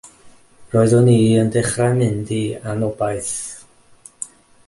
Roeddwn i yn dechrau mynd i anobaith.